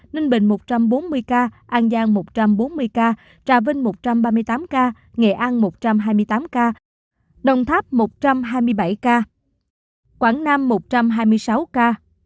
ninh bình một trăm bốn mươi ca an giang một trăm bốn mươi ca trà vinh một trăm ba mươi tám ca nghệ an một trăm hai mươi tám ca đồng tháp một trăm hai mươi bảy ca quảng nam một trăm hai mươi sáu ca